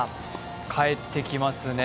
帰ってきますね。